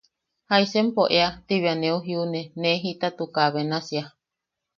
¿Jaisa empo ea? Ti be neu jiune ne jitatuka benasia.